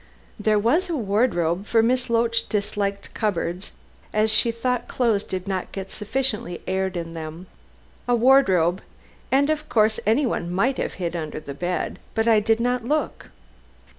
"There was a wardrobe, for Miss Loach disliked cupboards, as she thought clothes did not get sufficiently aired in them. A wardrobe, and of course anyone might have hid under the bed, but I did not look.